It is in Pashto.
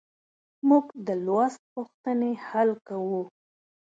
موږ د لوست پوښتنې حل کوو.